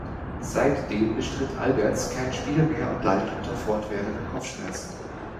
Seit dem bestritt Alberts kein Spiel mehr und leidet unter fortwährenden Kopfschmerzen.